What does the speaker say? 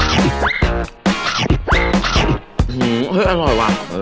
เฮ้ยอร่อยว่ะ